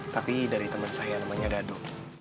tapi dari temen saya namanya dadu